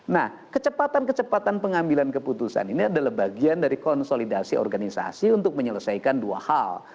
nah kecepatan kecepatan pengambilan keputusan ini adalah bagian dari konsolidasi organisasi untuk menyelesaikan dua hal